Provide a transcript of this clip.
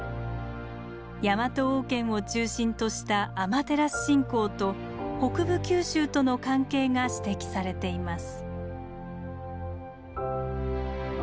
ヤマト王権を中心としたアマテラス信仰と北部九州との関係が指摘されています。